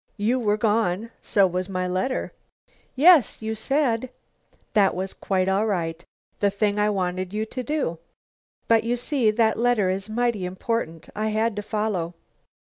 You were gone. So was my letter." "Yes, you said " "That was quite all right; the thing I wanted you to do. But you see that letter is mighty important. I had to follow.